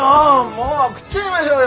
もう食っちゃいましょうよ